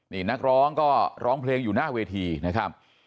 นี่นักร้องก็ร้องเพลงอยู่หน้าเวทีนะครับ